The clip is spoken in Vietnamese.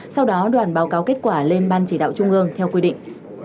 sau đó đoàn báo cáo kết quả lên ban chỉ đạo trung ương theo quy định